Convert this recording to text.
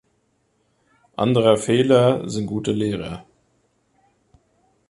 Andrer Fehler sind gute Lehrer.